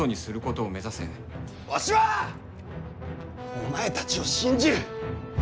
お前たちを信じる！